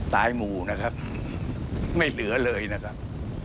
หมู่นะครับไม่เหลือเลยนะครับ